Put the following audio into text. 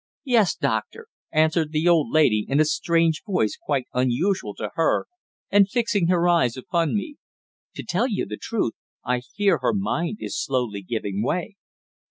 "Yes, Doctor," answered the old lady, in a strange voice quite unusual to her, and fixing her eyes upon me. "To tell the truth I fear her mind is slowly giving way."